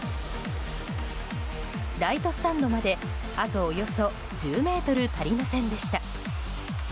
ライトスタンドまであとおよそ１０ｍ足りませんでした。